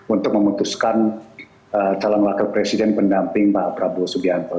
untuk memutuskan calon wakil presiden pendamping pak prabowo subianto